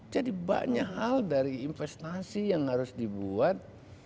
jadi banyak hal dari investasi yang harus dibuat